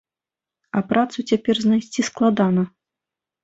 А працу цяпер знайсці складана.